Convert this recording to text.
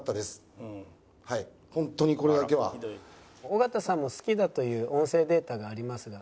「尾形さんも“好きだ”と言う音声データがありますが」。